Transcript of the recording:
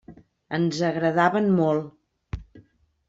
Ens agradaven molt.